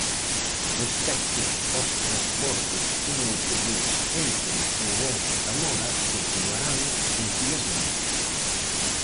Respecto aos transbordos en autobús entre Ourense e Zamora continuarán uns días máis.